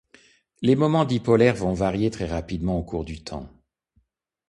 Les moments dipolaires vont varier très rapidement au cours du temps.